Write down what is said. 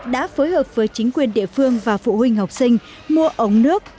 đã phối hợp với chính quyền địa phương và phụ huynh học sinh mua ống nước